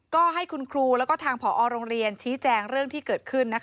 ก็ให้คุณครูแล้วก็ทางผอโรงเรียนชี้แจงเรื่องที่เกิดขึ้น